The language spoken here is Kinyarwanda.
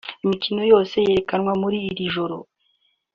Imikino yose yerekanywe muri iri joro